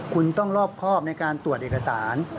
คุณต้องรอบครอบในการตรวจเอกสาร